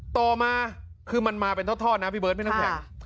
ต่อมาคือมันมาเป็นทอดนะพี่เบิร์ดพี่น้ำแข็ง